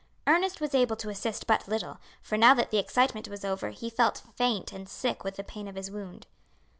Ernest was able to assist but little, for now that the excitement was over he felt faint and sick with the pain of his wound.